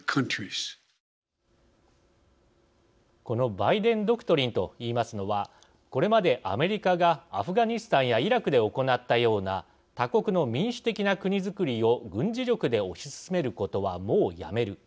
バイデン・ドクトリンといいますのはこれまでアメリカがアフガニスタンやイラクで行ったような他国の民主的な国づくりを軍事力で推し進めることはもうやめる。